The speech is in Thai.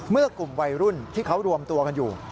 เมื่อกลุ่มวัยรุ่นที่เขารวมตัวกันอยู่